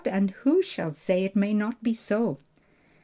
and who shall say it may not be so!"